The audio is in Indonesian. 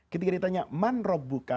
ketika ditanya man robbuka